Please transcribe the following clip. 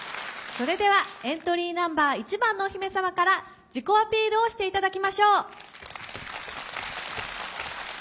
それではエントリーナンバー１番のお姫様から自己アピールをしていただきましょう。